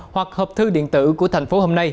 hoặc hộp thư điện tử của tp hcm